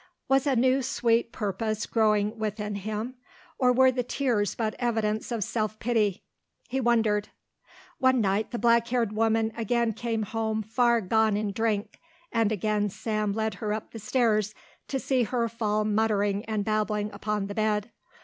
Was a new sweet purpose growing within him or were the tears but evidence of self pity? He wondered. One night the black haired woman again came home far gone in drink, and again Sam led her up the stairs to see her fall muttering and babbling upon the bed.